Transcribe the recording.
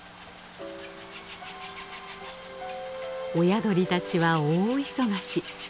親鳥たちは大忙し。